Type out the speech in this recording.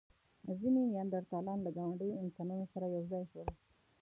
ځینې نیاندرتالان له ګاونډيو انسانانو سره یو ځای شول.